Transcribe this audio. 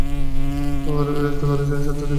আবারো বিরক্ত করার জন্য সত্যিই দুঃখিত।